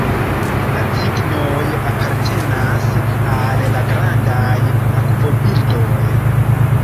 La cignoj apartenas al la grandaj akvobirdoj.